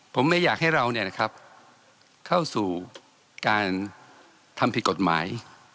ผมไม่อยากให้เราเนี่ยนะครับเข้าสู่การทำผิดกฎหมาย